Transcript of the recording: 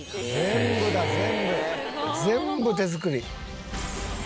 全部手作り」